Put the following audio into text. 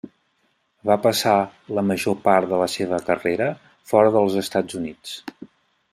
Va passar la major part de la seva carrera fora dels Estats Units.